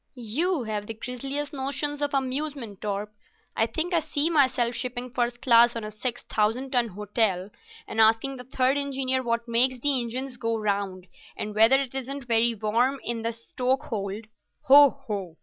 "You've the grisliest notions of amusement, Torp. I think I see myself shipping first class on a six thousand ton hotel, and asking the third engineer what makes the engines go round, and whether it isn't very warm in the stokehold. Ho! ho!